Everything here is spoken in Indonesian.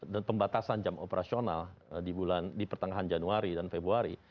dan pembatasan jam operasional di bulan di pertengahan januari dan februari